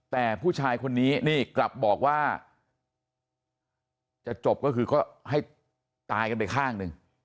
แต่ผู้ชายคนนี้นี่กลับบอกว่าจะจบก็คือก็ให้ตายกันไปข้างหนึ่ง